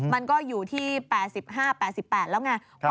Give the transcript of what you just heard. มันก็อยู่ที่๘๕๘๘แล้วไง